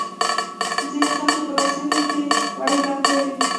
ځینو خلکو په لاسونو کې وړې لوحې وې.